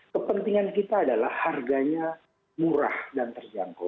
kepentingan kita adalah harganya murah dan terjangkau